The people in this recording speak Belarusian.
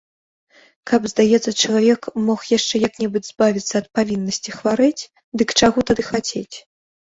Каб, здаецца, чалавек мог яшчэ як-небудзь збавіцца ад павіннасці хварэць, дык чаго тады хацець.